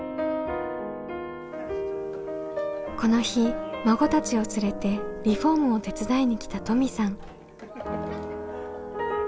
この日孫たちを連れてリフォームを手伝いに来た登美さん。